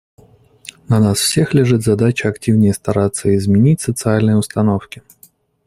На всех нас лежит задача активнее стараться изменить социальные установки.